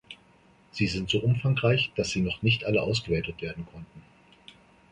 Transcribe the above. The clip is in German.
Sie sind so umfangreich, dass sie noch nicht alle ausgewertet werden konnten.